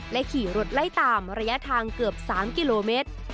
ขี่รถไล่ตามระยะทางเกือบ๓กิโลเมตร